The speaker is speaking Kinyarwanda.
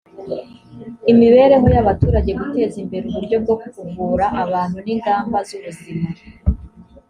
imibereho y abaturage guteza imbere uburyo bwo kuvura abantu n ingamba z ubuzima